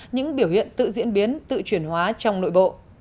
những biểu hiện tự diễn biến tự chuyển hóa trong nội bộ